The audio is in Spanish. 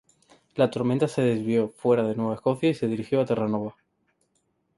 La tormenta se desvió fuera de Nueva Escocia y se dirigió a Terranova.